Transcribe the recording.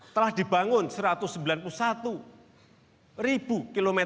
telah dibangun rp satu ratus sembilan puluh satu triliun